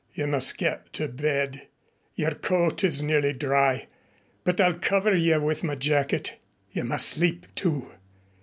"You must get to bed. Your coat is nearly dry, but I'll cover you with my jacket. You must sleep, too.